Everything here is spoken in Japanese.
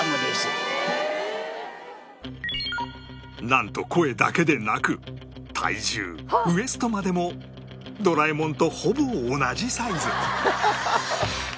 なんと声だけでなく体重ウエストまでもドラえもんとほぼ同じサイズ